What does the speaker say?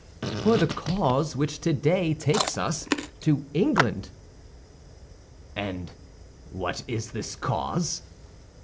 "For the cause which today takes us to England." "And what is this cause?"